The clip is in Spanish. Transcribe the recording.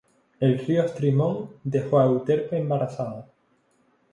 El río Estrimón dejó a Euterpe embarazada.